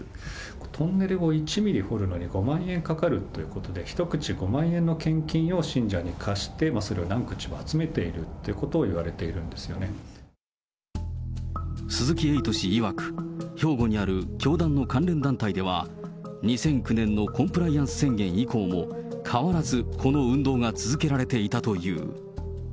トンネルを１ミリ掘るのに５万円かかるということで、一口５万円の献金を信者に課してそれを何口も集めているっていう鈴木エイト氏いわく、兵庫にある教団の関連団体では、２００９年のコンプライアンス宣言以降も、変わらずこの運動が続けられていたという。